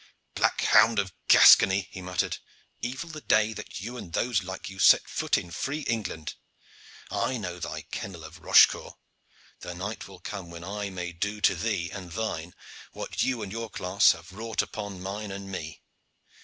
"Black hound of Gascony," he muttered, "evil the day that you and those like you set foot in free England! I know thy kennel of Rochecourt. The night will come when I may do to thee and thine what you and your class have wrought upon mine and me.